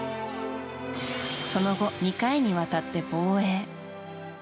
その後、２回にわたって防衛。